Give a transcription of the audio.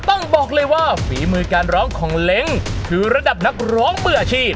ต้องบอกเลยว่าฝีมือการร้องของเล้งคือระดับนักร้องเบื่ออาชีพ